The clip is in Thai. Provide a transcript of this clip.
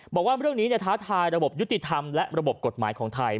บอกว่าเรื่องนี้ท้าทายระบบยุติธรรมและระบบกฎหมายของไทย